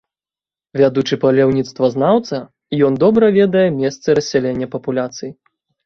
Вядучы паляўніцтвазнаўца, ён добра ведае месцы рассялення папуляцый.